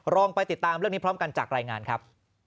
ลองไปติดตามเรื่องนี้พร้อมกันจากรายงานครับ